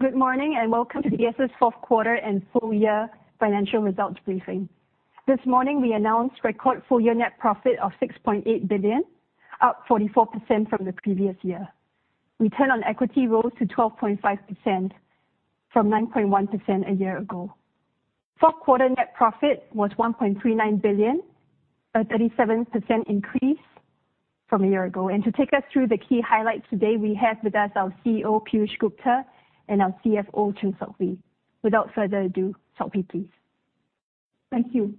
Good morning, and Welcome to DBS fourth quarter and full year financial results briefing. This morning we announced record full year net profit of 6.8 billion, up 44% from the previous year. Return on equity rose to 12.5% from 9.1% a year ago. Fourth quarter net profit was 1.39 billion, a 37% increase from a year ago. To take us through the key highlights today, we have with us our CEO, Piyush Gupta, and our CFO, Chng Sok Hui. Without further ado, Sok Hui, please. Thank you.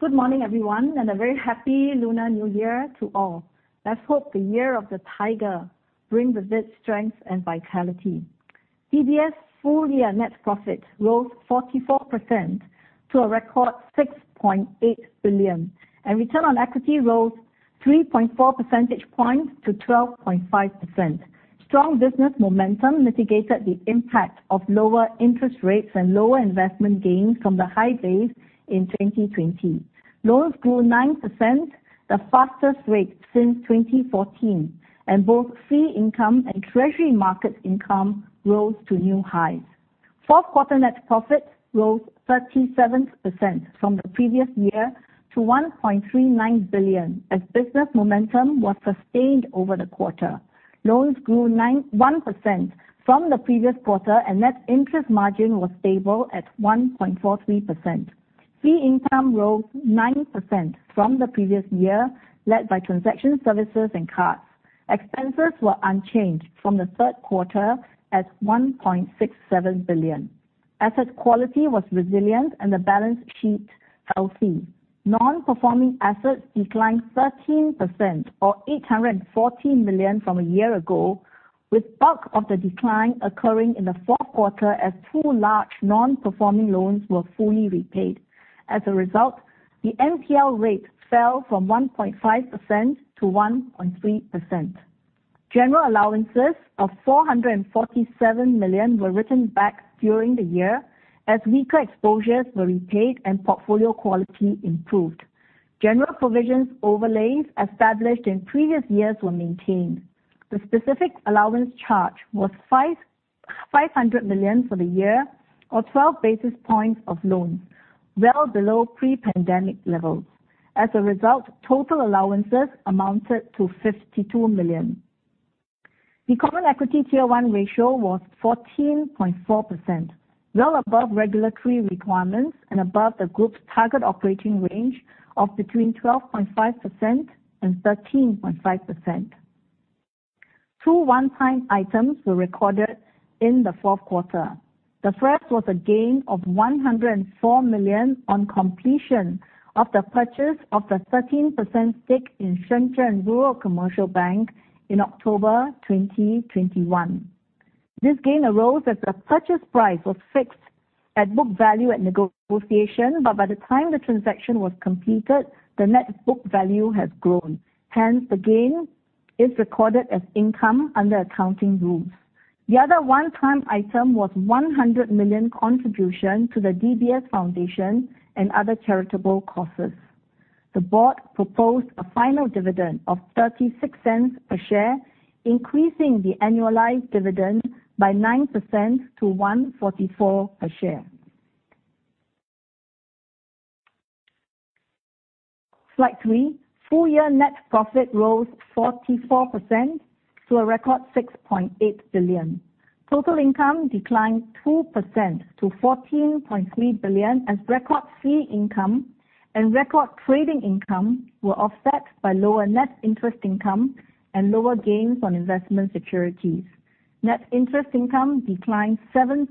Good morning, everyone, and a very happy Lunar New Year to all. Let's hope the Year of the Tiger brings with it strength and vitality. DBS full-year net profit rose 44% to a record 6.8 billion and return on equity rose 3.4 percentage points to 12.5%. Strong business momentum mitigated the impact of lower interest rates and lower investment gains from the high base in 2020. Loans grew 9%, the fastest rate since 2014, and both fee income and treasury markets income rose to new highs. Fourth quarter net profit rose 37% from the previous year to 1.39 billion as business momentum was sustained over the quarter. Loans grew one percent from the previous quarter, and net interest margin was stable at 1.43%. Fee income rose 9% from the previous year, led by transaction services and cards. Expenses were unchanged from the third quarter at 1.67 billion. Asset quality was resilient and the balance sheet healthy. Non-performing assets declined 13% or 814 million from a year ago, with bulk of the decline occurring in the fourth quarter as two large non-performing loans were fully repaid. As a result, the NPL rate fell from 1.5%-1.3%. General allowances of 447 million were written back during the year as weaker exposures were repaid and portfolio quality improved. General provisions overlays established in previous years were maintained. The specific allowance charge was 500 million for the year or 12 basis points of loans, well below pre-pandemic levels. As a result, total allowances amounted to 52 million. The Common Equity Tier 1 ratio was 14.4%, well above regulatory requirements and above the group's target operating range of between 12.5% and 13.5%. 2 one-time items were recorded in the fourth quarter. The first was a gain of 104 million on completion of the purchase of the 13% stake in Shenzhen Rural Commercial Bank in October 2021. This gain arose as the purchase price was fixed at book value at negotiation, but by the time the transaction was completed, the net book value has grown. Hence, the gain is recorded as income under accounting rules. The other one-time item was 100 million contribution to the DBS Foundation and other charitable causes. The board proposed a final dividend of 0.36 per share, increasing the annualized dividend by 9% to 1.44 per share. Slide three. Full-year net profit rose 44% to a record 6.8 billion. Total income declined 2% to 14.3 billion as record fee income and record trading income were offset by lower net interest income and lower gains on investment securities. Net interest income declined 7%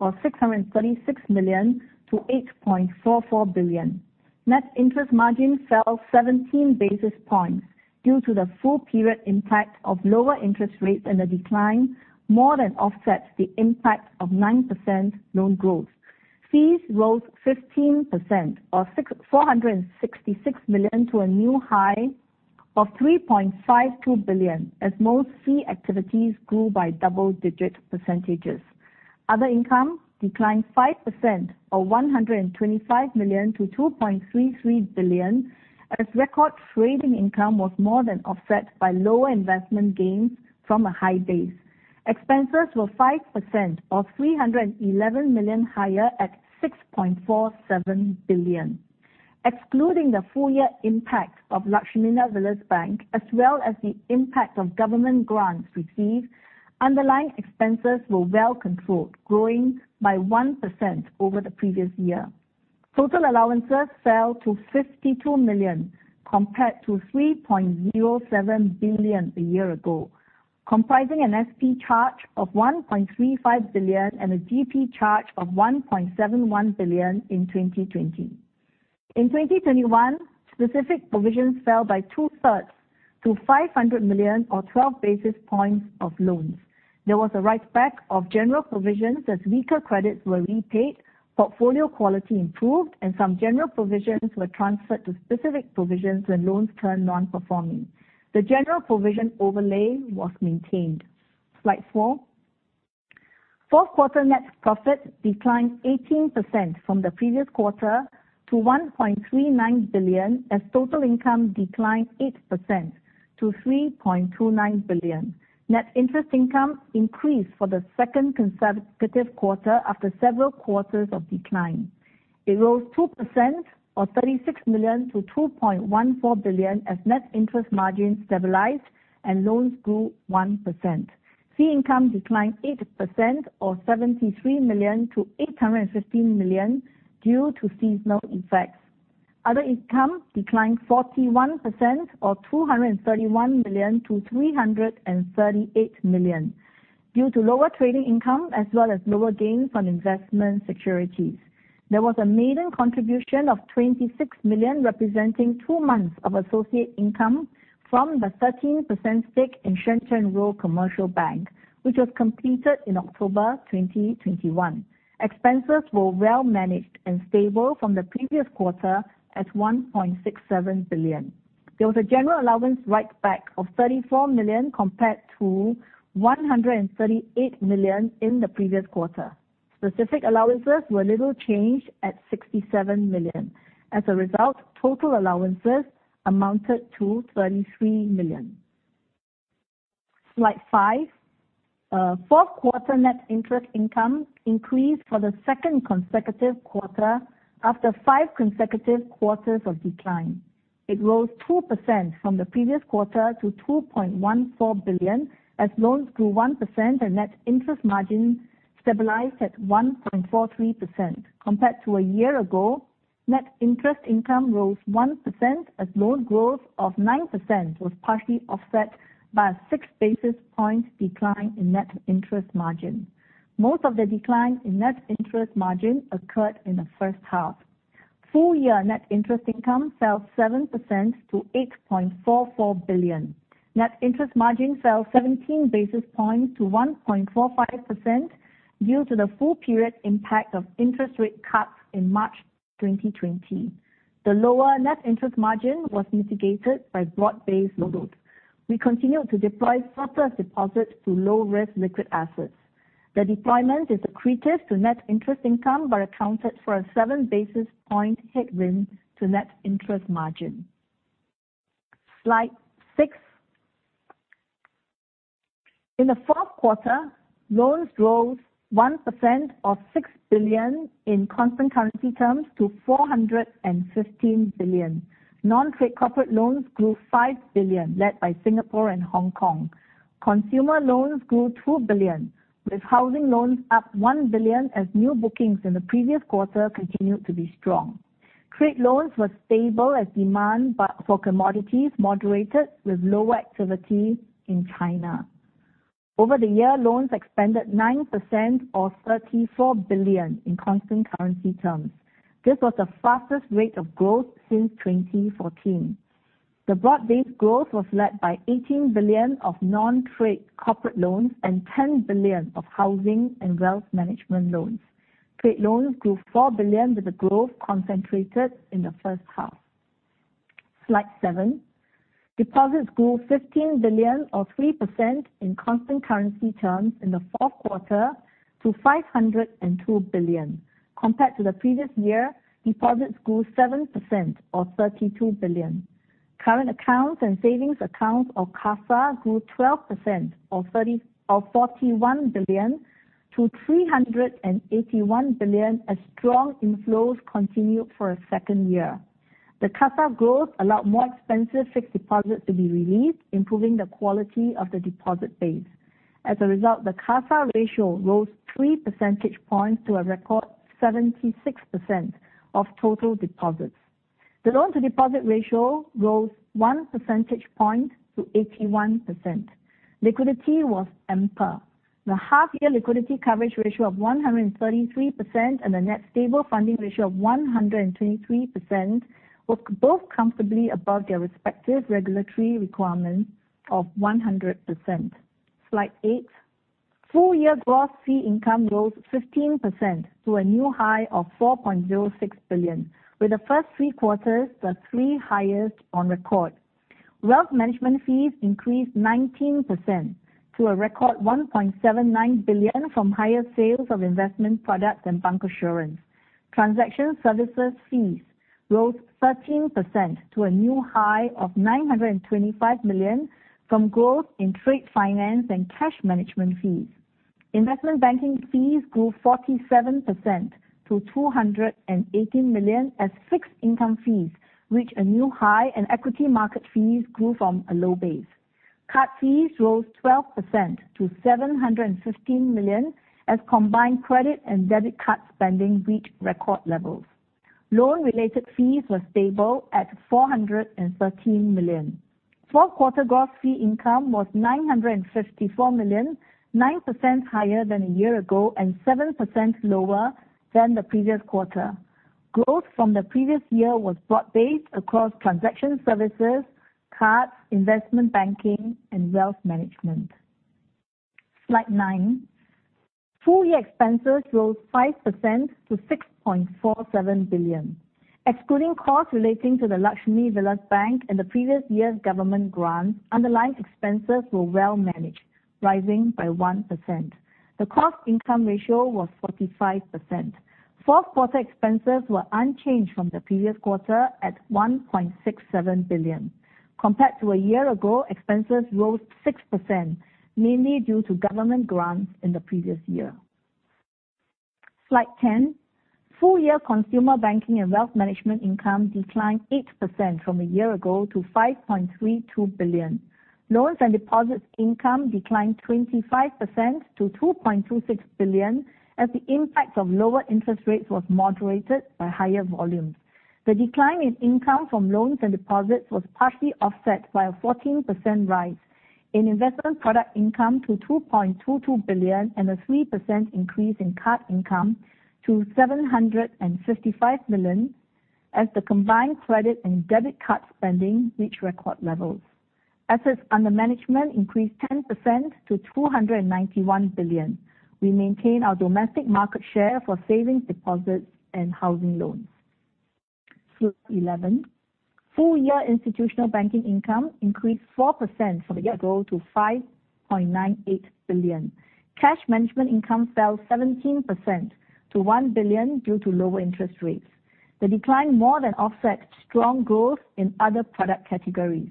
or 666 million to 8.44 billion. Net interest margin fell 17 basis points due to the full-period impact of lower interest rates and the decline more than offset the impact of 9% loan growth. Fees rose 15% or 666 million to a new high of 3.52 billion as most fee activities grew by double-digit percentages. Other income declined 5% or 125 million-2.33 billion as record trading income was more than offset by lower investment gains from a high base. Expenses were 5% or 311 million higher at 6.47 billion. Excluding the full year impact of Lakshmi Vilas Bank as well as the impact of government grants received, underlying expenses were well controlled, growing by 1% over the previous year. Total allowances fell to 52 million compared to 3.07 billion a year ago, comprising an SP charge of 1.35 billion and a GP charge of 1.71 billion in 2020. In 2021, specific provisions fell by 2/3 to 500 million or 12 basis points of loans. There was a write back of general provisions as weaker credits were repaid, portfolio quality improved, and some general provisions were transferred to specific provisions when loans turned non-performing. The general provision overlay was maintained. Slide four, fourth quarter net profit declined 18% from the previous quarter to 1.39 billion, as total income declined 8% to 3.29 billion. Net interest income increased for the second consecutive quarter after several quarters of decline. It rose 2% or 36 million-2.14 billion as net interest margin stabilized and loans grew 1%. Fee income declined 8% or 73 million-815 million due to seasonal effects. Other income declined 41% or 231 million-338 million due to lower trading income as well as lower gains on investment securities. There was a maiden contribution of 26 million, representing two months of associate income from the 13% stake in Shenzhen Rural Commercial Bank, which was completed in October 2021. Expenses were well managed and stable from the previous quarter at 1.67 billion. There was a general allowance write back of 34 million compared to 138 million in the previous quarter. Specific allowances were little changed at 67 million. As a result, total allowances amounted to 23 million. Slide five, fourth quarter net interest income increased for the second consecutive quarter after five consecutive quarters of decline. It rose 2% from the previous quarter to 2.14 billion as loans grew 1% and net interest margin stabilized at 1.43% compared to a year ago. Net interest income rose 1% as loan growth of 9% was partially offset by a 6-basis point decline in net interest margin. Most of the decline in net interest margin occurred in the first half. Full year net interest income fell 7% to 8.44 billion. Net interest margin fell 17 basis points to 1.45% due to the full period impact of interest rate cuts in March 2020. The lower net interest margin was mitigated by broad-based loans. We continued to deploy surplus deposits to low risk liquid assets. The deployment is accretive to net interest income but accounted for a 7-basis point headwind to net interest margin. Slide six, in the fourth quarter, loans rose 1% or 6 billion in constant currency terms to 415 billion. Non-trade corporate loans grew 5 billion, led by Singapore and Hong Kong. Consumer loans grew 2 billion, with housing loans up 1 billion as new bookings in the previous quarter continued to be strong. Trade loans were stable as demand for commodities moderated with lower activity in China. Over the year, loans expanded 9% or 34 billion in constant currency terms. This was the fastest rate of growth since 2014. The broad-based growth was led by 18 billion of non-trade corporate loans and 10 billions of housing and wealth management loans. Trade loans grew 4 billion with the growth concentrated in the first half. Slide seven, deposits grew 15 billion or 3% in constant currency terms in the fourth quarter to 502 billion. Compared to the previous year, deposits grew 7% or 32 billion. Current accounts and savings accounts or CASA grew 12% or 41 billion-381 billion as strong inflows continued for a second year. The CASA growth allowed more expensive fixed deposits to be released, improving the quality of the deposit base. As a result, the CASA ratio rose 3 percentage points to a record 76% of total deposits. The loan to deposit ratio rose 1 percentage point to 81%. Liquidity was ample. The half year liquidity coverage ratio of 133% and the net stable funding ratio of 123% were both comfortably above their respective regulatory requirements of 100%. Slide eight, full year gross fee income rose 15% to a new high of 4.06 billion, with the first three quarters the three highest on record. Wealth Management fees increased 19% to a record SGD 1.79 billion from higher sales of investment products and bancassurance. Transaction services fees rose 13% to a new high of 925 million from growth in trade finance and cash management fees. Investment banking fees grew 47% to 218 million as fixed income fees reached a new high and equity market fees grew from a low base. Card fees rose 12% to 715 million as combined credit and debit card spending reached record levels. Loan-related fees were stable at 413 million. Fourth quarter gross fee income was 954 million, 9% higher than a year ago and 7% lower than the previous quarter. Growth from the previous year was broad-based across transaction services, cards, investment banking, and wealth management. Slide nine, full-year expenses rose 5% to 6.47 billion. Excluding costs relating to the Lakshmi Vilas Bank and the previous year's government grants, underlying expenses were well managed, rising by 1%. The cost income ratio was 45%. Fourth-quarter expenses were unchanged from the previous quarter at 1.67 billion. Compared to a year ago, expenses rose 6%, mainly due to government grants in the previous year. Slide 10, full-year Consumer Banking and Wealth Management income declined 8% from a year ago to 5.32 billion. Loans and deposits income declined 25% to 2.26 billion as the impact of lower interest rates was moderated by higher volumes. The decline in income from loans and deposits was partially offset by a 14% rise in investment product income to 2.22 billion and a 3% increase in card income to 755 million as the combined credit and debit card spending reached record levels. Assets under management increased 10% to 291 billion. We maintain our domestic market share for savings deposits and housing loans. Slide 11, full-year Institutional Banking income increased 4% from a year ago to 5.98 billion. Cash management income fell 17% to 1 billion due to lower interest rates. The decline more than offset strong growth in other product categories.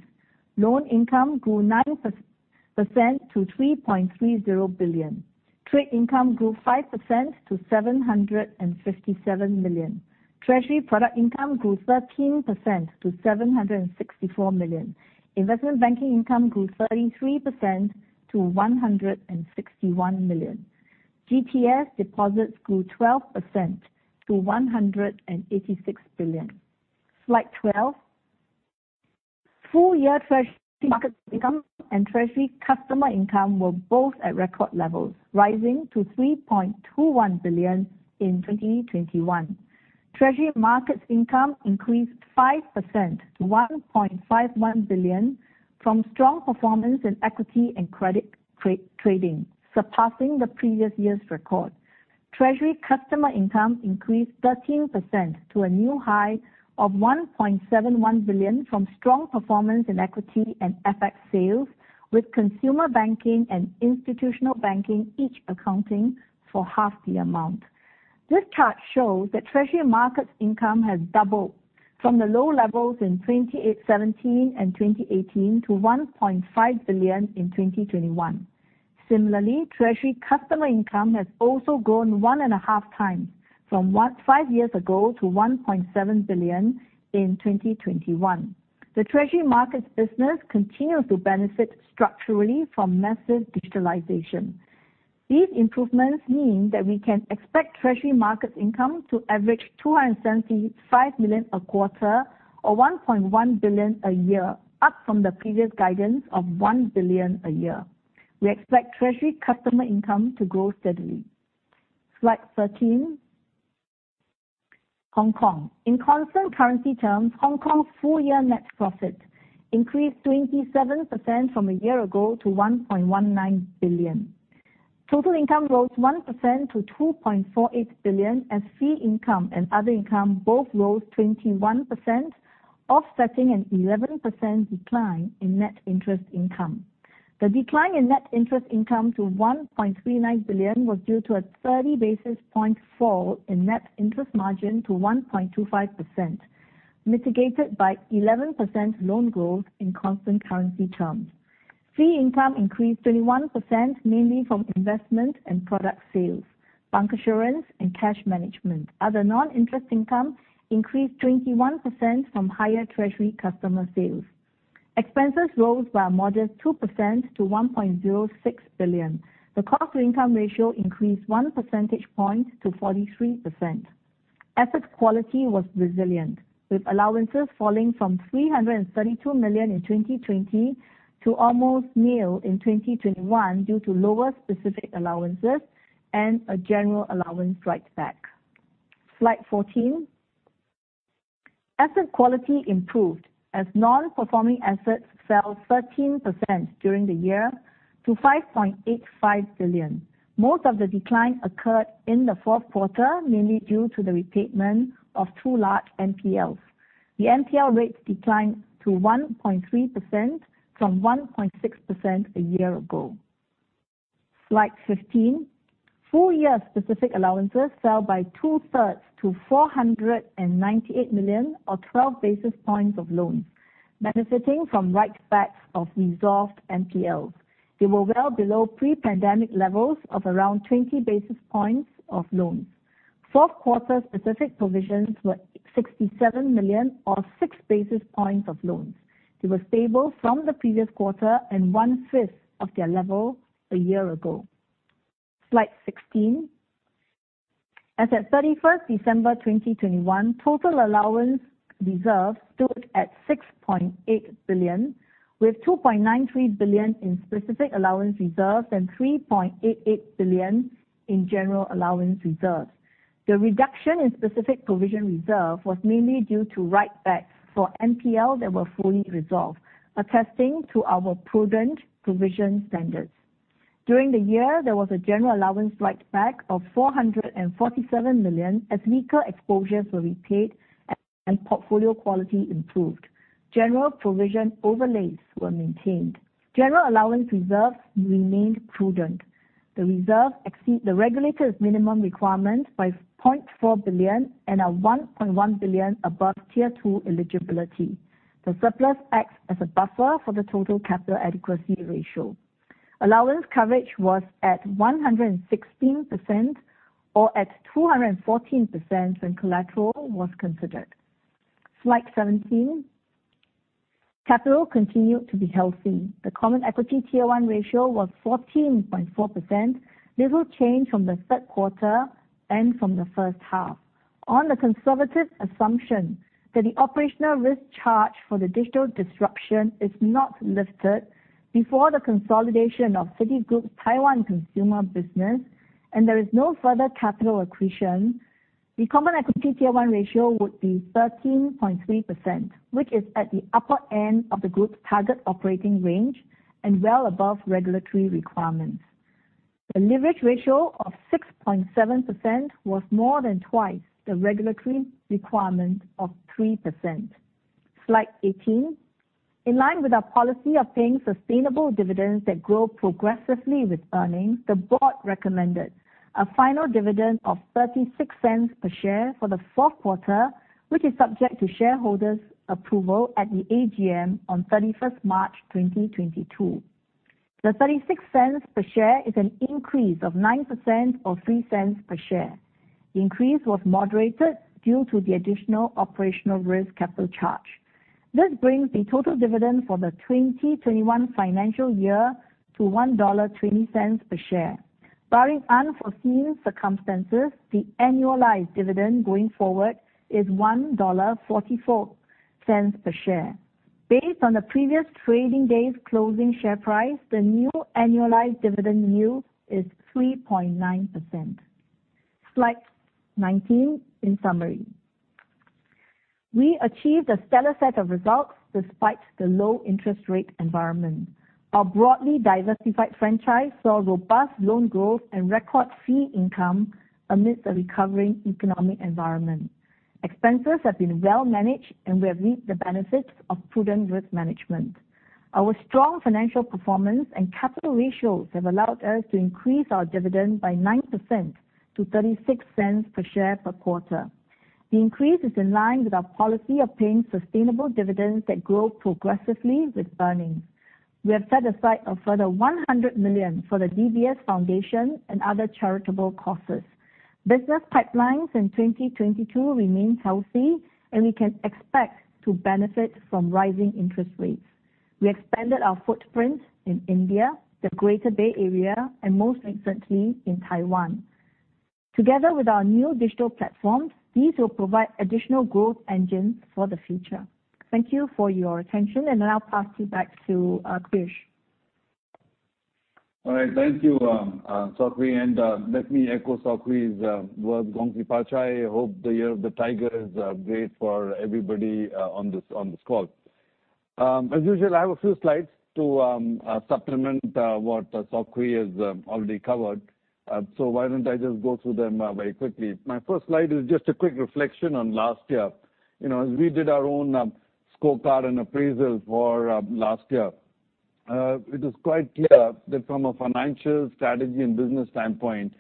Loan income grew 9% to 3.30 billion. Trade income grew 5% to 757 million. Treasury product income grew 13% to 764 million. Investment banking income grew 33% to 161 million. GTS deposits grew 12% to 186 billion. Slide 12, full year treasury market income and treasury customer income were both at record levels, rising to 3.21 billion in 2021. Treasury markets income increased 5% to 1.51 billion from strong performance in equity and credit trading, surpassing the previous year's record. Treasury customer income increased 13% to a new high of 1.71 billion from strong performance in equity and FX sales, with consumer banking and institutional banking each accounting for half the amount. This chart shows that treasury markets income has doubled from the low levels in 2017 and 2018 to 1.5 billion in 2021. Similarly, treasury customer income has also grown 1/2x from five years ago to 1.7 billion in 2021. The treasury markets business continues to benefit structurally from massive digitalization. These improvements mean that we can expect treasury markets income to average 275 million a quarter or 1.1 billion a year, up from the previous guidance of 1 billion a year. We expect treasury customer income to grow steadily. Slide 13, Hong Kong in constant currency terms, Hong Kong full year net profit increased 27% from a year ago to 1.19 billion. Total income rose 1% to 2.48 billion as fee income and other income both rose 21%, offsetting an 11% decline in net interest income. The decline in net interest income to 1.39 billion was due to a 30 basis point fall in net interest margin to 1.25%, mitigated by 11% loan growth in constant currency terms. Fee income increased 21% mainly from investment and product sales, bancassurance, and cash management. Other non-interest income increased 21% from higher treasury customer sales. Expenses rose by a modest 2% to 1.06 billion. The cost income ratio increased 1 percentage point to 43%. Asset quality was resilient, with allowances falling from 332 million in 2020 to almost nil in 2021 due to lower specific allowances and a general allowance writeback. Slide 14, asset quality improved as non-performing assets fell 13% during the year to 5.85 billion. Most of the decline occurred in the fourth quarter, mainly due to the repayment of two large NPL. The NPL rates declined to 1.3% from 1.6% a year ago. Slide 15, full year specific allowances fell by two-thirds to 498 million or 12 basis points of loans, benefiting from write-backs of resolved NPLs. They were well below pre-pandemic levels of around 20 basis points of loans. Fourth quarter specific provisions were 67 million or 6 basis points of loans. They were stable from the previous quarter and 1/5 of their level a year ago. Slide 16, as of December 31st, 2021, total allowance reserves stood at 6.8 billion, with 2.93 billion in specific allowance reserves and 3.88 billion in general allowance reserves. The reduction in specific provision reserve was mainly due to write-backs for NPL that were fully resolved, attesting to our prudent provision standards. During the year, there was a general allowance write-back of 447 million as weaker exposures were repaid and portfolio quality improved. General provision overlays were maintained. General allowance reserves remained prudent. The reserve exceeds the regulator's minimum requirement by 0.4 billion and our 1.1 billion above Tier 2 eligibility. The surplus acts as a buffer for the total capital adequacy ratio. Allowance coverage was at 116% or at 214% when collateral was considered. Slide 17, capital continued to be healthy. The Common Equity Tier 1 ratio was 14.4%. This will change from the third quarter and from the first half. On the conservative assumption that the operational risk charge for the digital disruption is not lifted before the consolidation of Citigroup's Taiwan consumer business and there is no further capital accretion, the Common Equity Tier 1 ratio would be 13.3%, which is at the upper end of the group's target operating range and well above regulatory requirements. The leverage ratio of 6.7% was more than twice the regulatory requirement of 3%. Slide 18, In line with our policy of paying sustainable dividends that grow progressively with earnings, the board recommended a final dividend of 0.36 per share for the fourth quarter, which is subject to shareholders' approval at the AGM on March 31st, 2022. The 0.36 per share is an increase of 9% or 0.03 per share. The increase was moderated due to the additional operational risk capital charge. This brings the total dividend for the 2021 financial year to 1.20 dollar per share. Barring unforeseen circumstances, the annualized dividend going forward is 1.44 dollar per share. Based on the previous trading day's closing share price, the new annualized dividend yield is 3.9%. Slide 19, In summary, we achieved a stellar set of results despite the low-interest rate environment. Our broadly diversified franchise saw robust loan growth and record fee income amidst a recovering economic environment. Expenses have been well managed, and we have reaped the benefits of prudent risk management. Our strong financial performance and capital ratios have allowed us to increase our dividend by 9% to 0.36 per share per quarter. The increase is in line with our policy of paying sustainable dividends that grow progressively with earnings. We have set aside a further 100 million for the DBS Foundation and other charitable causes. Business pipelines in 2022 remain healthy, and we can expect to benefit from rising interest rates. We expanded our footprint in India, the Greater Bay Area, and most recently in Taiwan. Together with our new digital platforms, these will provide additional growth engines for the future. Thank you for your attention, and I'll pass you back to Piyush. All right. Thank you, Sok Hui. Let me echo Sok Hui's words. Gong xi fa cai. Hope the Year of the Tiger is great for everybody on this call. As usual, I have a few slides to supplement what Sok Hui has already covered. Why don't I just go through them very quickly? My first slide is just a quick reflection on last year. You know, as we did our own scorecard and appraisal for last year, it is quite clear that from a financial strategy and business standpoint,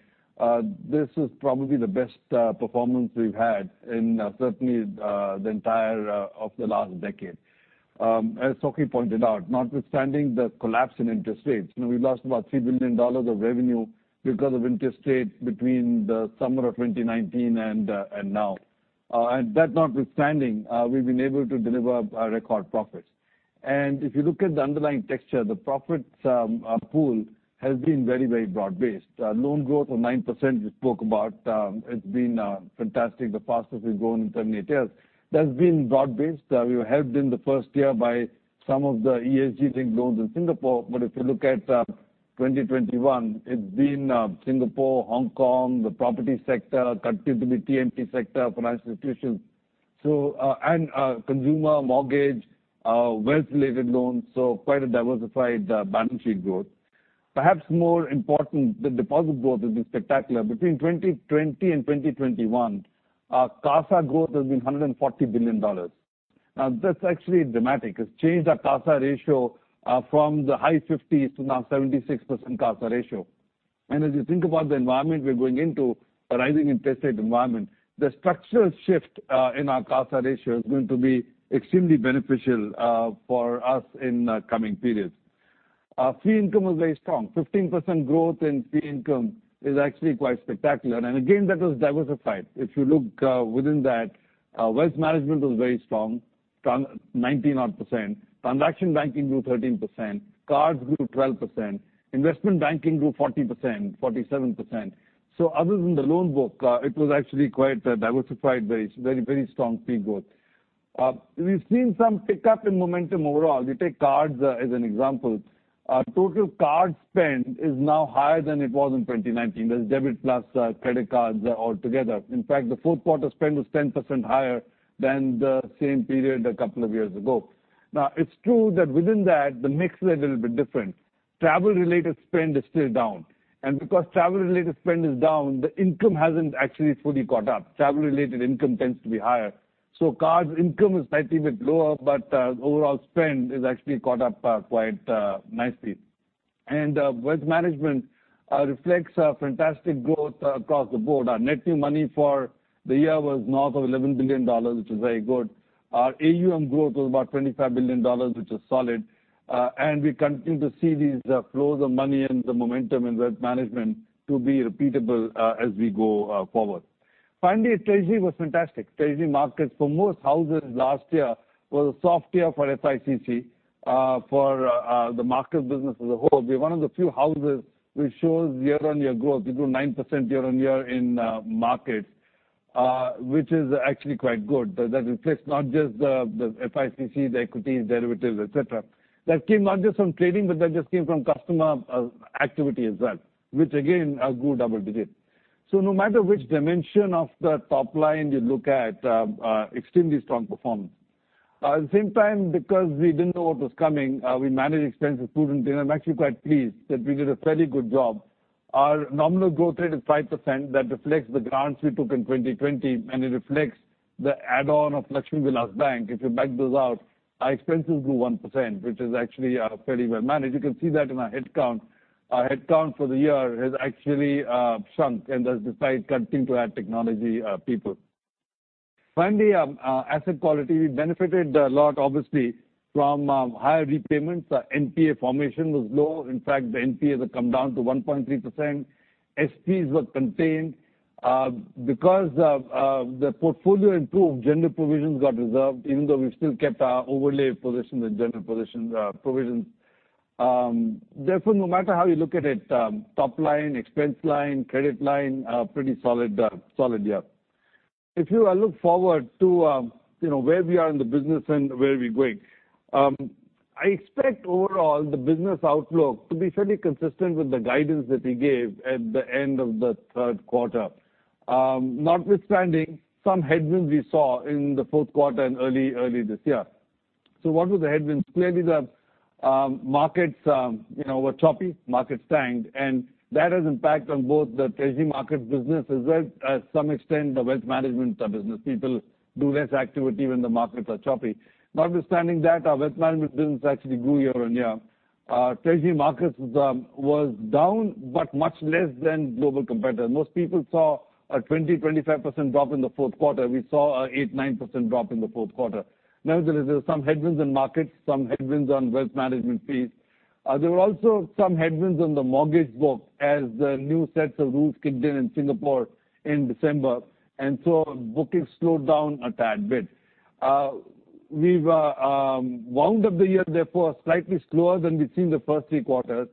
this is probably the best performance we've had in certainly the entirety of the last decade. As Chng Sok Hui pointed out, notwithstanding the collapse in interest rates, you know, we've lost about 3 billion dollars of revenue because of interest rates between the summer of 2019 and now. That notwithstanding, we've been able to deliver a record profit. If you look at the underlying texture, the profits pool has been very, very broad-based. Loan growth of 9% we spoke about has been fantastic, the fastest we've grown in seven to eight years. That's been broad-based. We were helped in the first year by some of the ESG tech loans in Singapore. If you look at 2021, it's been Singapore, Hong Kong, the property sector contributed, the TMT sector, financial institutions, consumer mortgage, wealth-related loans, so quite a diversified balance sheet growth. Perhaps more important, the deposit growth has been spectacular. Between 2020 and 2021, our CASA growth has been 140 billion dollars. Now, that's actually dramatic. It's changed our CASA ratio from the high 50s to now 76% CASA ratio. As you think about the environment we're going into, a rising interest rate environment, the structural shift in our CASA ratio is going to be extremely beneficial for us in coming periods. Our fee income was very strong. 15% growth in fee income is actually quite spectacular. Again, that was diversified. If you look within that, wealth management was very strong, 19%. Transaction banking grew 13%. Cards grew 12%. Investment banking grew 40%, 47%. Other than the loan book, it was actually quite a diversified, very strong fee growth. We've seen some pickup in momentum overall. If you take cards, as an example, our total card spend is now higher than it was in 2019. That's debit plus credit cards altogether. In fact, the fourth quarter spend was 10% higher than the same period a couple of years ago. Now, it's true that within that, the mix is a little bit different. Travel related spend is still down. Because travel related spend is down, the income hasn't actually fully caught up. Travel related income tends to be higher. Cards income is slightly a bit lower but overall spend is actually caught up quite nicely. Wealth Management reflects a fantastic growth across the board. Our net new money for the year was north of 11 billion dollars, which is very good. Our AUM growth was about 25 billion dollars, which is solid. We continue to see these flows of money and the momentum in wealth management to be repeatable as we go forward. Finally, treasury was fantastic. Treasury markets for most houses last year was a soft year for FICC. For the market business as a whole, we're one of the few houses which shows year-on-year growth. We grew 9% year-on-year in markets, which is actually quite good. That reflects not just the FICC, the equities, derivatives, et cetera. That came not just from trading, but that just came from customer activity as well, which again grew double digits. No matter which dimension of the top line you look at, extremely strong performance. At the same time, because we didn't know what was coming, we managed expenses prudently, and I'm actually quite pleased that we did a fairly good job. Our nominal growth rate is 5%. That reflects the grants we took in 2020, and it reflects the add-on of Lakshmi Vilas Bank. If you back those out, our expenses grew 1%, which is actually fairly well managed. You can see that in our headcount. Our headcount for the year has actually shrunk and that's despite continuing to add technology people. Finally, asset quality benefited a lot obviously from higher repayments. Our NPA formation was low. In fact, the NPAs have come down to 1.3%. SPs were contained. Because the portfolio improved, general provisions were reversed, even though we've still kept our overlay position, the general provision. Therefore, no matter how you look at it, top line, expense line, credit line, a pretty solid year. If you look forward to, you know, where we are in the business and where we're going, I expect overall the business outlook to be fairly consistent with the guidance that we gave at the end of the third quarter, notwithstanding some headwinds we saw in the fourth quarter and early this year. What were the headwinds? Clearly, the markets, you know, were choppy, markets tanked, and that has impact on both the Treasury markets business as well as to some extent the Wealth Management business. People do less activity when the markets are choppy. Notwithstanding that, our Wealth Management business actually grew year-on-year. Treasury markets were down, but much less than global competitors. Most people saw a 20%-25% drop in the fourth quarter. We saw an 8%-9% drop in the fourth quarter. Now there is some headwinds in markets, some headwinds on Wealth Management fees. There were also some headwinds on the mortgage book as the new sets of rules kicked in in Singapore in December, and so bookings slowed down a tad bit. We've wound up the year therefore slightly slower than we've seen the first three quarters.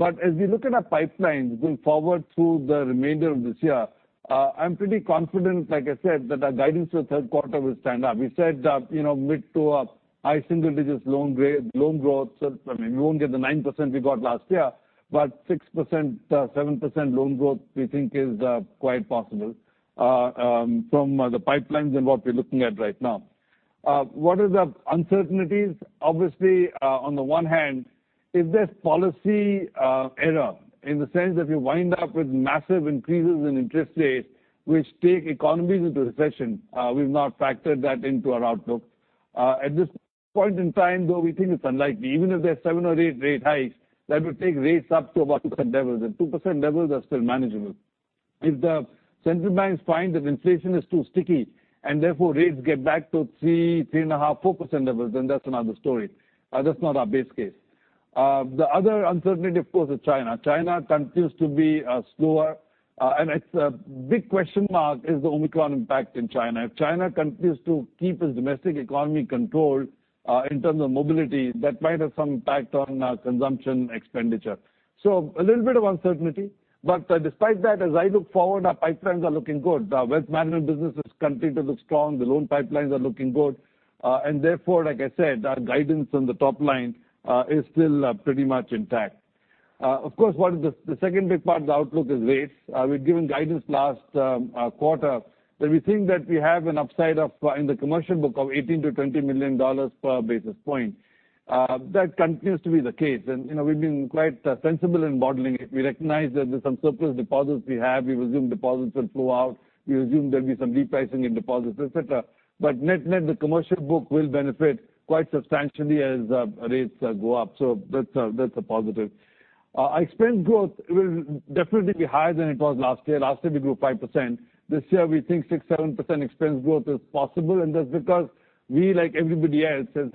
As we look at our pipeline going forward through the remainder of this year, I'm pretty confident, like I said, that our guidance for third quarter will stand up. We said mid- to a high single digit's loan rate, loan growth. I mean, we won't get the 9% we got last year, but 6%, 7% loan growth we think is quite possible from the pipelines and what we're looking at right now. What are the uncertainties? Obviously, on the one hand, if there's policy error in the sense that we wind up with massive increases in interest rates which take economies into recession, we've not factored that into our outlook. At this point in time, though, we think it's unlikely. Even if there are 7% or 8% rate hikes, that would take rates up to about 2% levels, and 2% levels are still manageable. If the central banks find that inflation is too sticky and therefore rates get back to 3%, 3.5%, 4% levels, then that's another story. That's not our base case. The other uncertainty of course is China. China continues to be slower, and it's a big question mark is the Omicron impact in China. If China continues to keep its domestic economy controlled in terms of mobility, that might have some impact on consumption expenditure. A little bit of uncertainty, but despite that, as I look forward, our pipelines are looking good. Our wealth management business has continued to look strong. The loan pipelines are looking good. Therefore, like I said, our guidance on the top line is still pretty much intact. Of course, what is the second big part of the outlook is rates. We've given guidance last quarter that we think that we have an upside of $18 million-$20 million per basis point. That continues to be the case. You know, we've been quite sensible in modeling it. We recognize that there's some surplus deposits we have. We assume deposits will flow out. We assume there'll be some repricing in deposits, et cetera. But net-net, the commercial book will benefit quite substantially as rates go up that's a positive. Our expense growth will definitely be higher than it was last year. Last year, we grew 5%. This year, we think 6%-7% expense growth is possible, and that's because we, like everybody else, have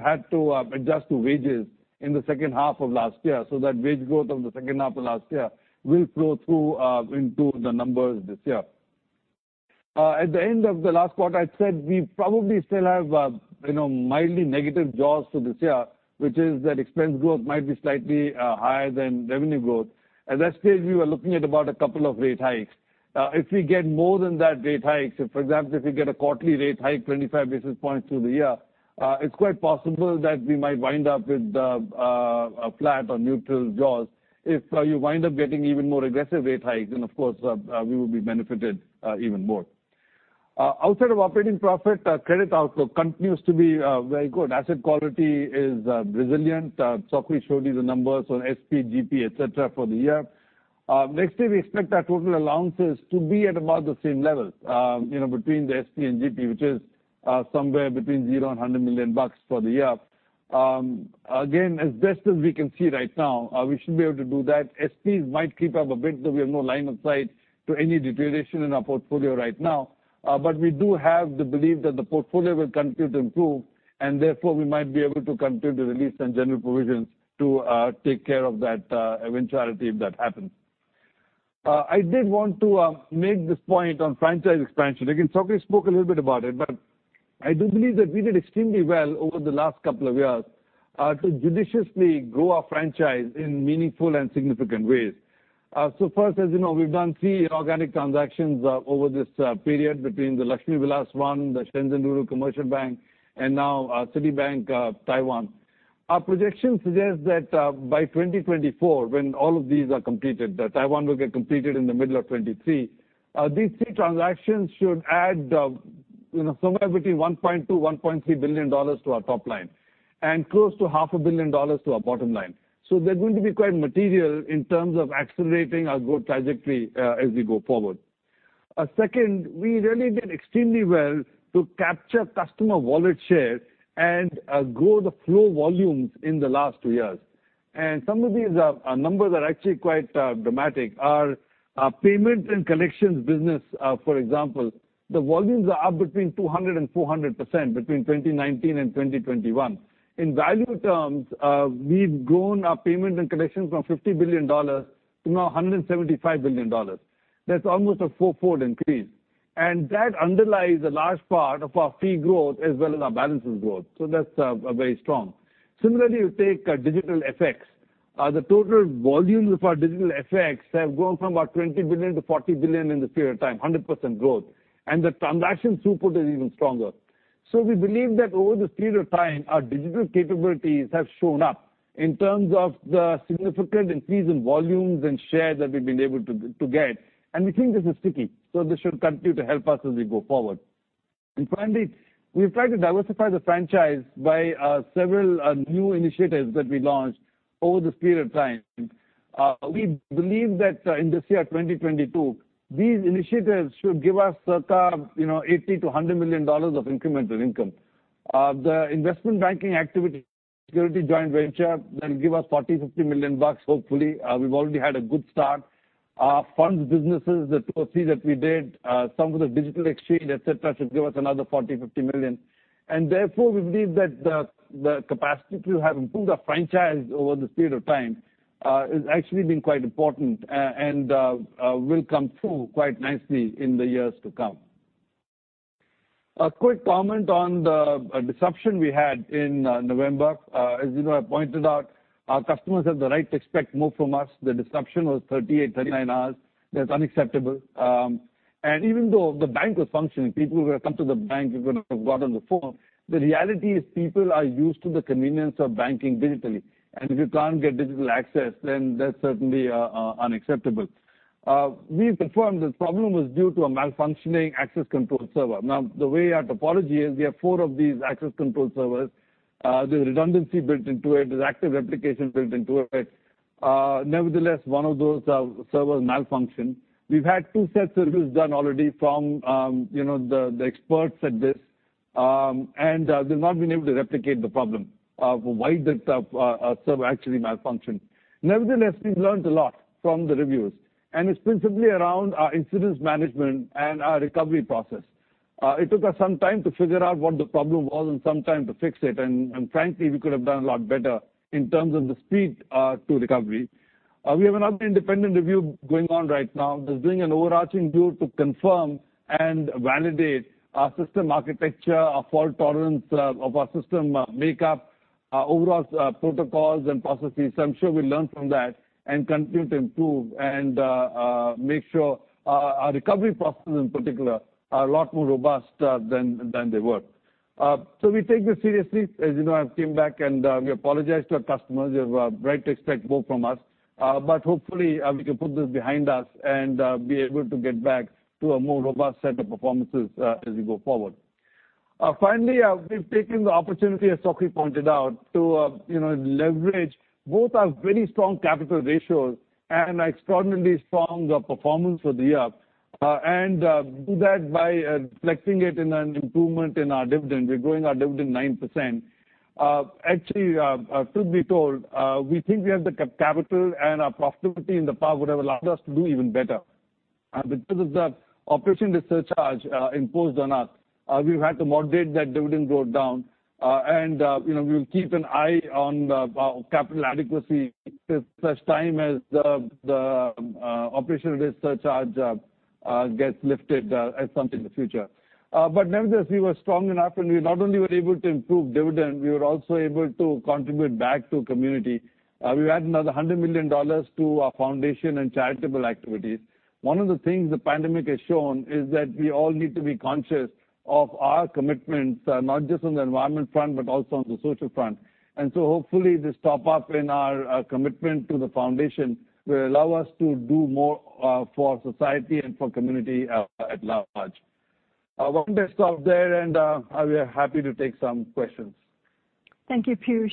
had to adjust to wages in the second half of last year. That wage growth of the second half of last year will flow through into the numbers this year. At the end of the last quarter, I said we probably still have you know, mildly negative jaws for this year, which is that expense growth might be slightly higher than revenue growth. At that stage, we were looking at about a couple of rate hikes. If we get more than that rate hikes, if for example, if we get a quarterly rate hike 25 basis points through the year, it's quite possible that we might wind up with a flat or neutral jaws. If you wind up getting even more aggressive rate hikes, then of course we will be benefited even more. Outside of operating profit, our credit outlook continues to be very good. Asset quality is resilient. Sok Hui showed you the numbers on SP, GP, et cetera, for the year. Next year, we expect our total allowances to be at about the same level, you know, between the SP and GP, which is somewhere between 0-100 million bucks for the year. Again, as best as we can see right now, we should be able to do that. SPs might keep up a bit, though we have no line of sight to any deterioration in our portfolio right now. But we do have the belief that the portfolio will continue to improve, and therefore, we might be able to continue to release some general provisions to take care of that eventuality if that happens. I did want to make this point on franchise expansion. Again, Sok Hui spoke a little bit about it, but I do believe that we did extremely well over the last couple of years to judiciously grow our franchise in meaningful and significant ways. First, as you know, we've done three organic transactions over this period between the Lakshmi Vilas one, the Shenzhen Rural Commercial Bank, and now, Citigroup Taiwan. Our projections suggest that by 2024, when all of these are completed, the Taiwan will get completed in the middle of 2023, these three transactions should add, you know, somewhere between 1.2-1.3 billion dollars to our top line, and close to 0.5 billion dollars to our bottom line. They're going to be quite material in terms of accelerating our growth trajectory, as we go forward. Second, we really did extremely well to capture customer wallet share and grow the flow volumes in the last two years. Some of these numbers are actually quite dramatic. Our payment and collections business, for example, the volumes are up 200%-400% between 2019 and 2021. In value terms, we've grown our payment and collections from 50 billion-175 billion dollars. That's almost a fourfold increase. That underlies a large part of our fee growth as well as our balances growth, so that's very strong. Similarly, you take digital FX. The total volumes of our digital FX have grown from about 20 billion-40 billion in this period of time, 100% growth, and the transaction throughput is even stronger. We believe that over this period of time, our digital capabilities have shown up in terms of the significant increase in volumes and shares that we've been able to get, and we think this is sticky, so this should continue to help us as we go forward. Finally, we've tried to diversify the franchise by several new initiatives that we launched over this period of time. We believe that in this year, 2022, these initiatives should give us circa, you know, 80 million-100 million dollars of incremental income. The investment banking activities, our Securities joint venture that'll give us 40 million-50 million bucks, hopefully. We've already had a good start. Our funds businesses, the proceeds that we did, some of the DBS Digital Exchange, et cetera, should give us another 40 million-50 million. Therefore, we believe that the capacity to have improved our franchise over this period of time has actually been quite important and will come through quite nicely in the years to come. A quick comment on the disruption we had in November. As you know, I pointed out our customers have the right to expect more from us. The disruption was 38-39 hours. That's unacceptable. Even though the bank was functioning, people would have come to the bank, people would have got on the phone, the reality is people are used to the convenience of banking digitally, and if you can't get digital access, then that's certainly unacceptable. We've confirmed the problem was due to a malfunctioning access control server. Now, the way our topology is, we have four of these access control servers. There's redundancy built into it. There's active replication built into it. Nevertheless, one of those servers malfunctioned. We've had two sets of reviews done already from you know the experts at this, and they've not been able to replicate the problem of why that server actually malfunctioned. Nevertheless, we've learned a lot from the reviews, and it's principally around our incident management and our recovery process. It took us some time to figure out what the problem was and some time to fix it, and frankly, we could have done a lot better in terms of the speed to recovery. We have another independent review going on right now that's doing an overarching view to confirm and validate our system architecture, our fault tolerance of our system makeup, our overall protocols and processes. I'm sure we'll learn from that and continue to improve and make sure our recovery processes in particular are a lot more robust than they were. We take this seriously. As you know, I've came back, and we apologize to our customers. You have a right to expect more from us. Hopefully, we can put this behind us and be able to get back to a more robust set of performances as we go forward. Finally, we've taken the opportunity, as Sok Hui pointed out, to you know leverage both our very strong capital ratios and extraordinarily strong performance for the year and do that by reflecting it in an improvement in our dividend. We're growing our dividend 9%. Actually, truth be told, we think we have the capital and our profitability, and the power would have allowed us to do even better. Because of the operational risk surcharge imposed on us, we've had to moderate that dividend growth down. You know, we'll keep an eye on the capital adequacy at such time as the operational risk surcharge gets lifted at some time in the future. Nevertheless, we were strong enough, and we not only were able to improve dividend, but we were also able to contribute back to community. We've added another 100 million dollars to our foundation and charitable activities. One of the things the pandemic has shown is that we all need to be conscious of our commitments, not just on the environment front, but also on the social front. Hopefully, this top-up in our commitment to the foundation will allow us to do more for society and for community at large. Why don't I stop there and we are happy to take some questions? Thank you, Piyush.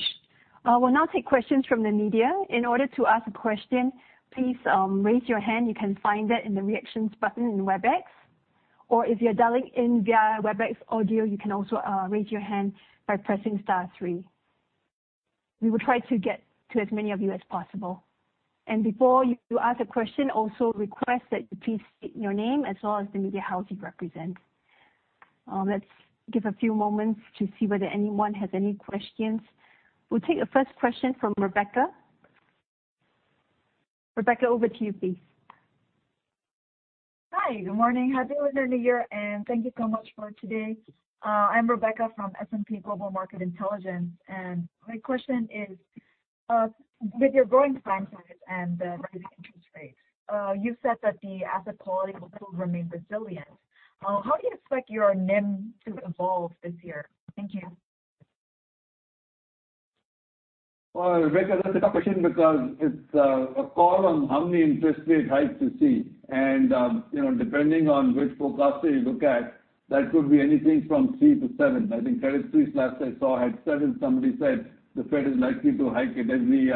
We'll now take questions from the media. In order to ask a question, please raise your hand. You can find that in the Reactions button in Webex, or if you're dialing in via Webex audio, you can also raise your hand by pressing star three. We will try to get to as many of you as possible. Before you ask a question, also request that you please state your name as well as the media house you represent. Let's give a few moments to see whether anyone has any questions. We'll take the first question from Rebecca. Rebecca, over to you, please. Hi, good morning. Happy Lunar New Year and thank you so much for today. I'm Rebecca from S&P Global Market Intelligence. My question is, with your growing loan size and the rising interest rates, you've said that the asset quality will still remain resilient. How do you expect your NIM to evolve this year? Thank you. Well, Rebecca, that's a good question because it's a call on how many interest rate hikes to see. You know, depending on which forecaster you look at, that could be anything from three to seven. I think the last three slides I saw had seven somebody said the Fed is likely to hike it every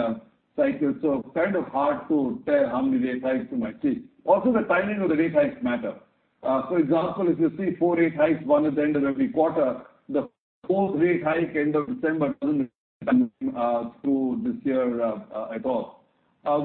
cycle, so kind of hard to tell how many rates hikes you might see. Also, the timing of the rate hikes matter. For example, if you see 4 rate hikes, 1 at the end of every quarter, the fourth-rate hike at the end of December doesn't add to this year at all.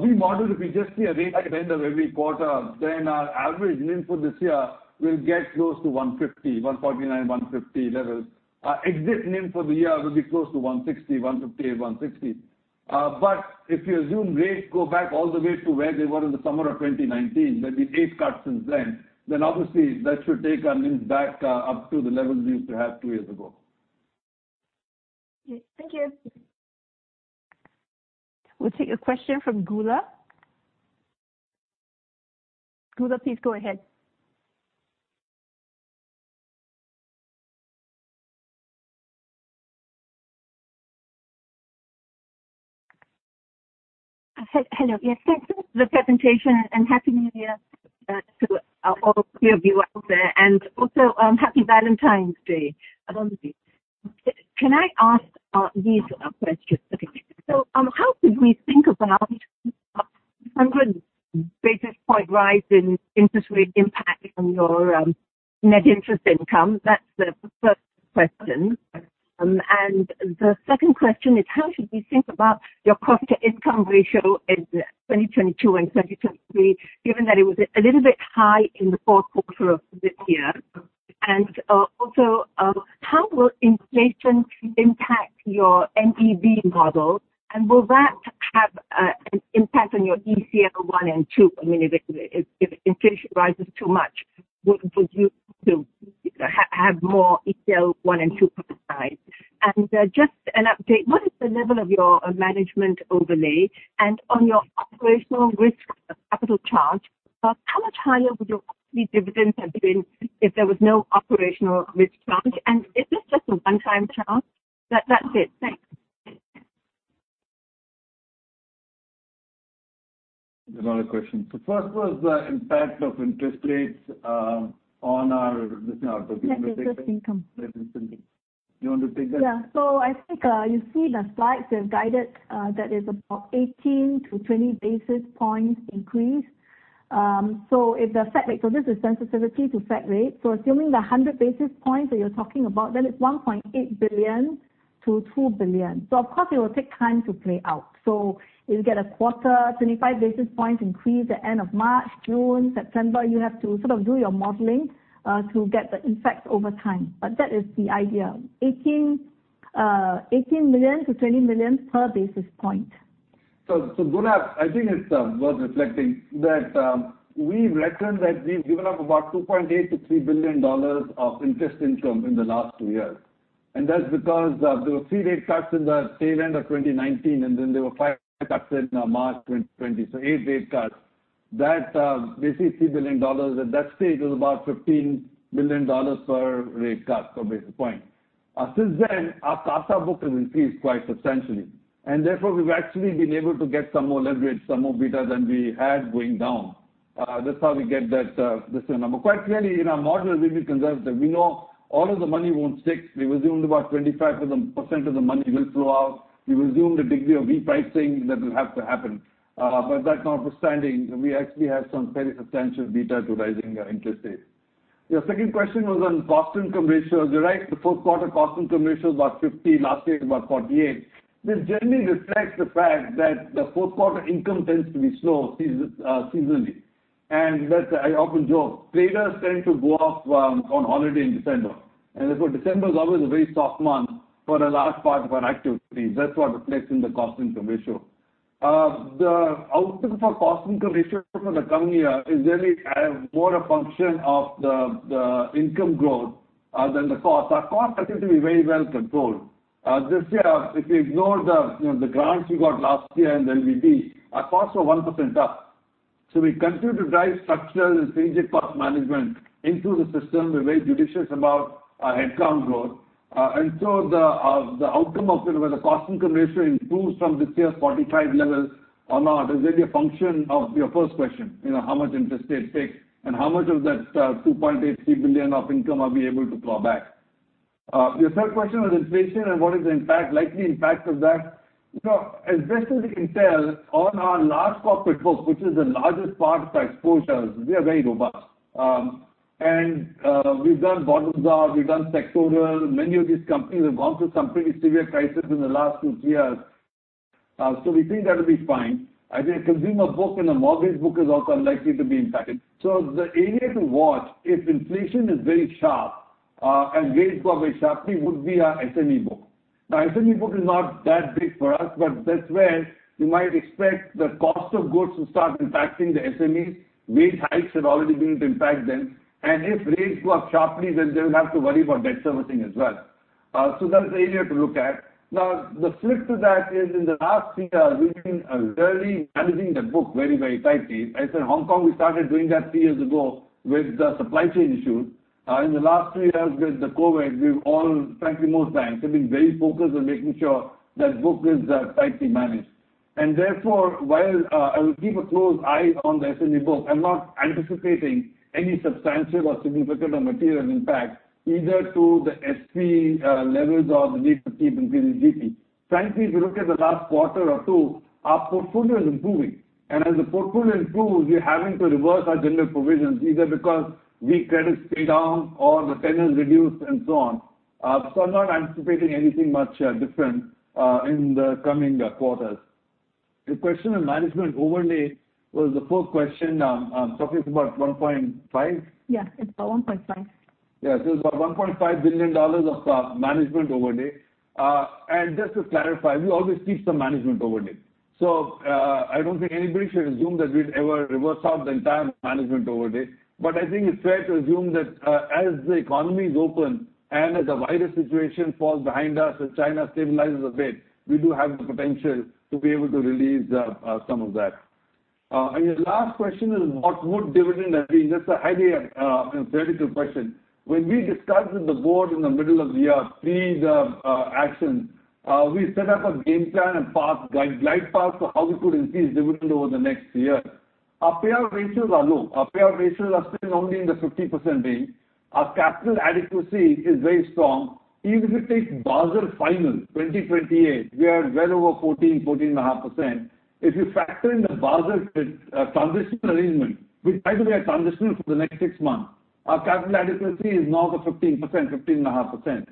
We modeled if we just see a rate hike at the end of every quarter, then our average NIM for this year will get close to 1.50%, 1.49%, 1.50% levels. Exit NIM for the year will be close to 1.60%, 1.58%, 1.60%. If you assume rates go back all the way to where they were in the summer of 2019, there'd be eight cuts since then obviously that should take our NIMs back up to the levels we used to have two years ago. Okay. Thank you. We'll take a question from Goola. Goola, please go ahead. Hello. Yes, thanks for the presentation, and Happy New Year to all three of you out there, and also Happy Valentine's Day, obviously. Can I ask these questions? How could we think about a 100-basis point rise in interest rate impact on your net interest income? That's the first question. The second question is how should we think about your cost-to-income ratio in 2022 and 2023, given that it was a little bit high in the fourth quarter of this year? Also, how will inflation impact your MEV model? And will that have an impact on your ECL one and two? I mean, if inflation rises too much, would you have more ECL one and two put aside? Just an update, what is the level of your management overlay? On your operational risk capital charge, how much higher would your dividends have been if there was no operational risk charge? Is this just a one-time charge? That's it. Thanks. Another question. First was the impact of interest rates on our net interest income. Net interest income. You want to take that? Yeah. I think you've seen the slides. We've guided that is about 18-20 basis points increase. This is sensitivity to Fed rate. Assuming the 100 basis points that you're talking about, then it's 1.8 billion-2 billion. Of course, it will take time to play out. You'll get a quarter, 25 basis points increase at end of March, June, September. You have to sort of do your modeling to get the effects over time. That is the idea, 18 million-20 million per basis point. Goola, I think it's worth reflecting that we've reckoned that we've given up about 2.8 billion-3 billion dollars of interest income in the last two years. That's because there were 3 rate cuts in the tail end of 2019, and then there were 5 cuts in March 2020, so 8 rate cuts. That basically 3 billion dollars at that stage was about 15 billion dollars per rate cut per basis point. Since then, our CASA book has increased quite substantially, and therefore, we've actually been able to get some more leverage, some more beta than we had going down. That's how we get that this number. Quite clearly in our model, we've been conservative. We know all of the money won't stick. We've assumed about 25% of the money will flow out. We've assumed a degree of repricing that will have to happen. That notwithstanding, we actually have some fairly substantial beta to rising interest rates. Your second question was on cost-income ratio. You're right, the fourth quarter cost-income ratio is about 50%, last year it was about 48%. This generally reflects the fact that the fourth quarter income tends to be slow season, seasonally. That I often joke, traders tend to go off on holiday in December. Therefore, December is always a very soft month for a large part of our activity. That's what reflects in the cost-income ratio. The outlook for cost-income ratio for the coming year is really more a function of the income growth than the cost. Our costs continue to be very well controlled. This year, if you ignore you know the grants we got last year and LVB, our costs are 1% up. We continue to drive structural and strategic cost management into the system. We're very judicious about our headcount growth. The outcome of whether the cost-income ratio improves from this year's 45% levels or not is really a function of your first question, you know, how much interest rates take and how much of that 2.8 billion-3 billion of income are we able to claw back. Your third question was inflation and what is the impact, likely impact of that. You know, as best as we can tell on our large corporate book, which is the largest part of our exposures, we are very robust. We've done bottom-up and sectoral. Many of these companies have gone through some pretty severe crisis in the last two, three years. We think that'll be fine. I think consumer book and the mortgage book is also unlikely to be impacted. The area to watch if inflation is very sharp, and rates go up sharply would be our SME book. Now, SME book is not that big for us, but that's where you might expect the cost of goods to start impacting the SMEs. Rate hikes have already begun to impact them, and if rates go up sharply, then they'll have to worry about debt servicing as well. That's the area to look at. Now, the flip to that is in the last three years, we've been really managing the book very tightly. As in Hong Kong, we started doing that three years ago with the supply chain issue. In the last three years with the COVID, we've all, frankly most banks, have been very focused on making sure that book is tightly managed. Therefore, while I will keep a close eye on the SME book, I'm not anticipating any substantial or significant or material impact either to the SP levels or the need to keep increasing GP. Frankly, if you look at the last quarter or two, our portfolio is improving, and as the portfolio improves, we're having to reverse our general provisions either because weak credits pay down or the tenant reduced and so on. So, I'm not anticipating anything much different in the coming quarters. Your question on management overlay was the fourth question. Sok Hui, it's about 1.5? Yeah, it's SGD 1.5. It's about 1.5 billion dollars of management overlay. Just to clarify, we always keep some management overlay. I don't think anybody should assume that we'd ever reverse out the entire management overlay. I think it's fair to assume that as the economy is open and as the virus situation falls behind us and China stabilizes a bit, we do have the potential to be able to release some of that. Your last question is what the dividend would be, and that's a highly theoretical question. When we discussed with the board in the middle of the year these actions, we set up a game plan and glide path for how we could increase dividend over the next year. Our payout ratios are low. Our payout ratios are still only in the 50% range. Our capital adequacy is very strong. Even if you take Basel final 2028, we are well over 14%-14.5%. If you factor in the Basel transition arrangement, which by the way are transitional for the next six months, our capital adequacy is now the 15%-15.5%.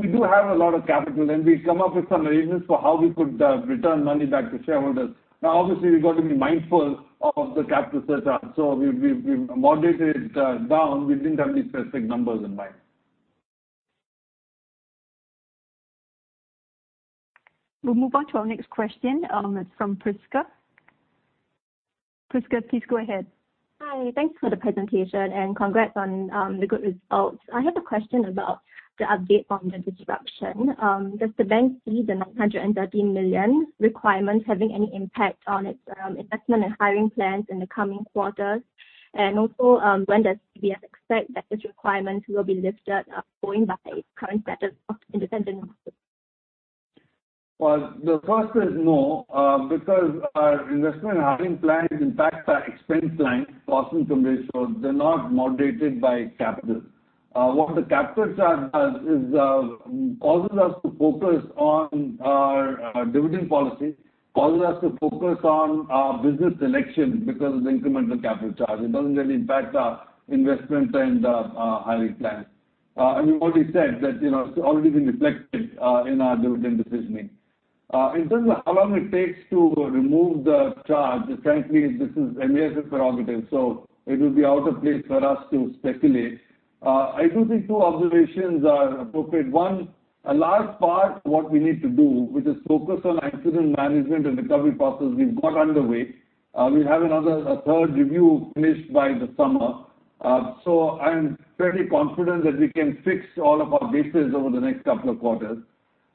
We do have a lot of capital, and we come up with some arrangements for how we could return money back to shareholders. Now, obviously, we've got to be mindful of the capital set up. We moderated down. We didn't have any specific numbers in mind. We'll move on to our next question from Prisca. Prisca, please go ahead. Hi. Thanks for the presentation and congrats on the good results. I have a question about the update on the disruption. Does the bank see the 913 million requirements having any impact on its investment and hiring plans in the coming quarters? And also, when does DBS expect that this requirement will be lifted, going by its current status of independent master? Well, the first is no, because our investment hiring plan is impacted by expense plans, cost income ratios. They're not moderated by capital. What the capital charge does is causes us to focus on our dividend policy, causes us to focus on our business selection because of the incremental capital charge. It doesn't really impact our investments and our hiring plans. We've already said that, you know, it's already been reflected in our dividend decisioning. In terms of how long it takes to remove the charge, frankly, this is MAS prerogative, so it will be out of place for us to speculate. I do think two observations are appropriate. One, a large part of what we need to do, which is focus on asset management and recovery process, we've got underway. We have another, a third review finished by the summer. So, I'm fairly confident that we can fix all of our bases over the next couple of quarters.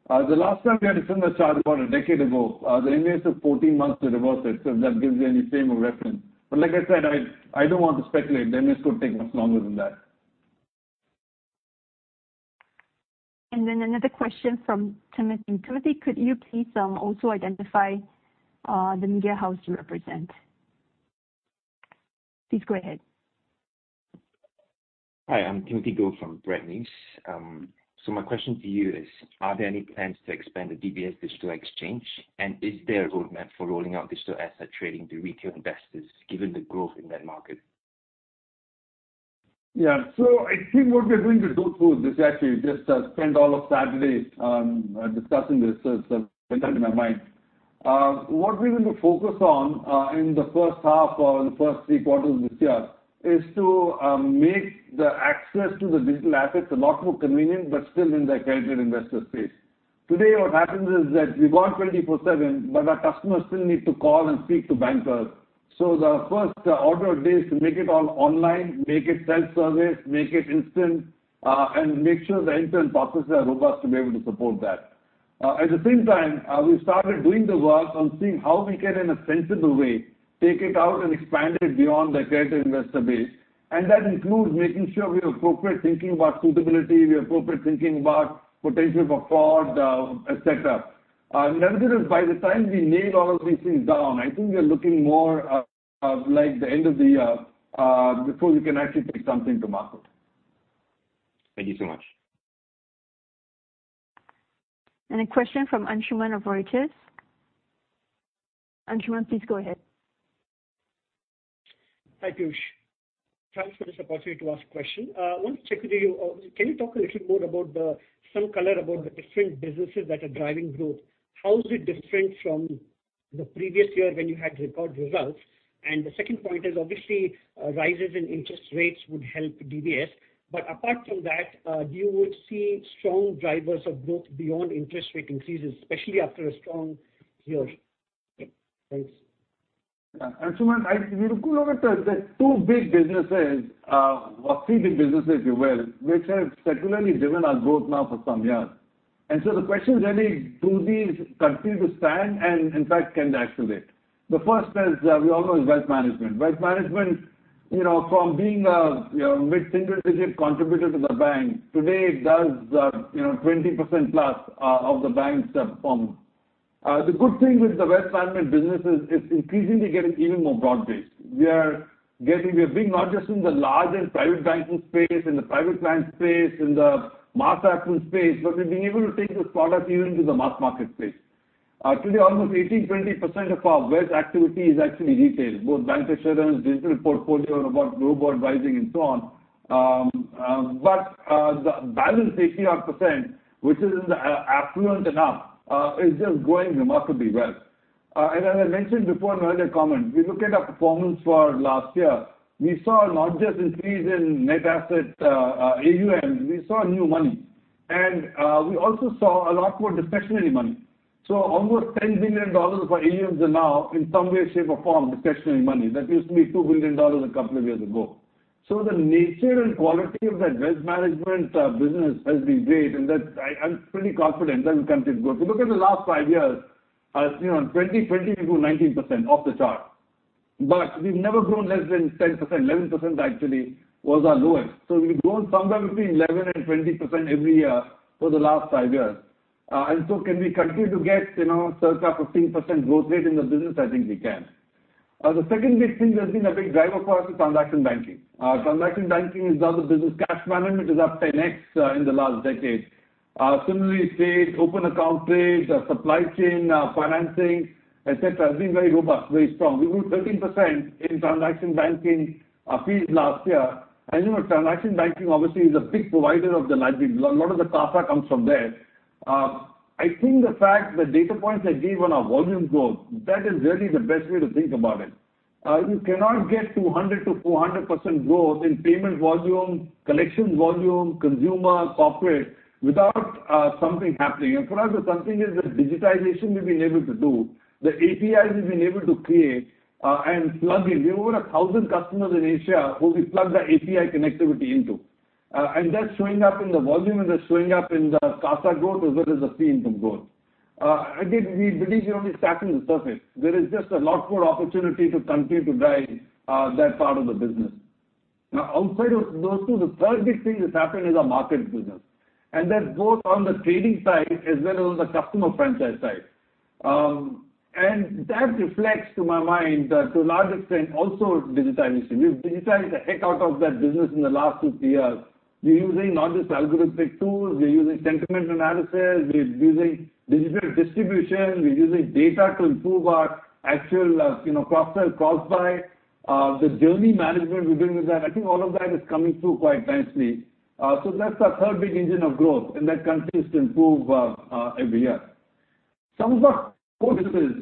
The last time we had to fund the charge about a decade ago, the MAS took 14 months to reverse it. If that gives you any frame of reference. Like I said, I don't want to speculate. The MAS could take much longer than that. Another question from Timothy. Timothy, could you please also identify the media house you represent? Please go ahead. Hi, I'm Timothy Goh from The Straits Times. So, my question to you is, are there any plans to expand the DBS Digital Exchange? Is there a roadmap for rolling out digital asset trading to retail investors given the growth in that market? Yeah. I think what we are doing with those tools is actually just spend all of Saturday discussing this, so it's been top of my mind. What we're going to focus on in the first half or in the first three quarters of this year is to make the access to the digital assets a lot more convenient, but still in the accredited investor space. Today, what happens is that we've gone 24/7, but our customers still need to call and speak to bankers. The first order of day is to make it all online, make it self-service, make it instant, and make sure the end-to-end processes are robust to be able to support that. At the same time, we started doing the work on seeing how we can, in a sensible way, take it out and expand it beyond the accredited investor base. That includes making sure we have appropriate thinking about suitability, we have appropriate thinking about potential for fraud, et cetera. Relatively by the time we nail all of these things down, I think we are looking more like the end of the year before we can actually take something to market. Thank you so much. A question from Anshuman of Reuters. Anshuman, please go ahead. Hi, Piyush. Thanks for this opportunity to ask a question. I want to check with you, can you talk a little more about some color about the different businesses that are driving growth? How is it different from the previous year when you had record results? The second point is obviously, rises in interest rates would help DBS. Apart from that, you would see strong drivers of growth beyond interest rate increases, especially after a strong year. Thanks. Yeah. Anshuman, if you look over the two big businesses, or three big businesses, if you will, which have secularly driven our growth now for some years. The question is really do these continue to stand and in fact can they accelerate? The first is, we all know, Wealth Management. Wealth Management, you know, from being a mid-single digit contributor to the bank, today, it does, you know, +20% of the bank's performance. The good thing with the Wealth Management business is it's increasingly getting even more broad-based. We are not just in the large and private banking space, in the private client space, in the mass affluent space, but we're able to take those products even to the mass market space. Today, almost 18%-20% of our wealth activity is actually retail, both bancassurance, digital portfolio, robo-advising, and so on. The balance 80%, which is in the affluent and up, is just growing remarkably well. As I mentioned before in earlier comment, we look at our performance for last year. We saw not just increase in net asset AUM; we saw new money. We also saw a lot more discretionary money. Almost 10 billion dollars of our AUMs are now in some way, shape, or form discretionary money. That used to be 2 billion dollars a couple of years ago. The nature and quality of that wealth management business have been great, and I'm pretty confident that will continue to grow. If you look at the last five years, you know, in 2020, we grew 19% off the chart. We've never grown less than 10%, 11% actually was our lowest. We've grown somewhere between 11%-20% every year for the last five years. Can we continue to get, you know, circa 15% growth rate in the business? I think we can. The second big thing that's been a big driver for us is transaction banking. Transaction banking is the other business. Cash management is up 10x in the last decade. Similarly, trade, open account trade, supply chain financing, et cetera, has been very robust, very strong. We grew 13% in transaction banking fees last year. As you know, transaction banking obviously is a big provider of the lending. A lot of the CASA comes from there. I think the fact the data points I gave on our volume growth, that is really the best way to think about it. You cannot get 200%-400% growth in payment volume, collections volume, consumer, corporate, without something happening. Perhaps the something is the digitization we've been able to do, the APIs we've been able to create and plug in. We have over 1,000 customers in Asia who we plugged our API connectivity into. That's showing up in the volume, and that's showing up in the CASA growth as well as the fee income growth. Again, we believe we've only scratched the surface. There is just a lot more opportunity to continue to drive that part of the business. Now, outside of those two, the third big thing that's happened is our market business, and that's both on the trading side as well as the customer franchise side. That reflects to my mind, to a large extent also digitization. We've digitized the heck out of that business in the last two, three years. We're using not just algorithmic tools, we're using sentiment analysis, we're using digital distribution, we're using data to improve our actual, you know, process cost play, the journey management we're doing with that. I think all of that is coming through quite nicely. That's our third big engine of growth, and that continues to improve every year. Some of our core businesses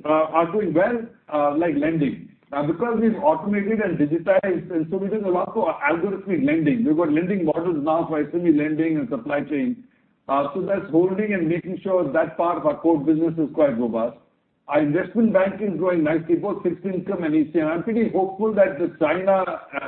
are doing well, like lending. Because we've automated and digitized, and so we're doing a lot of algorithmic lending. We've got lending models now for SME lending and supply chain. That's holding and making sure that part of our core business is quite robust. Our investment bank is growing nicely, both fixed income and ECM. I'm pretty hopeful that the China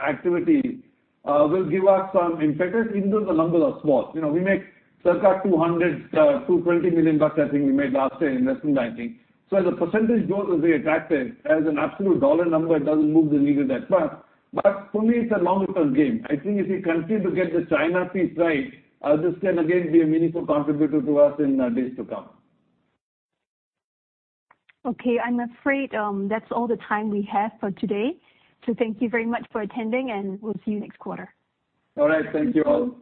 activity will give us some impetus even though the numbers are small. You know, we make circa 200-220 million bucks I think we made last year in investment banking. As a percentage growth, it'll be attractive. As an absolute dollar number, it doesn't move the needle that much. For me, it's a longer-term game. I think if we continue to get the China piece right, this can again be a meaningful contributor to us in days to come. Okay. I'm afraid, that's all the time we have for today. Thank you very much for attending, and we'll see you next quarter. All right. Thank you all.